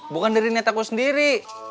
bukan dari niat aku sendiri